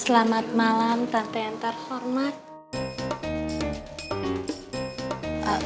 selamat malam partai yang terhormat